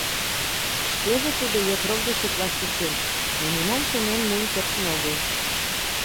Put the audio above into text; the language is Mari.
Шкеже тудо йокрок деч утлаш тӧчен, но нимом шонен муын кертын огыл.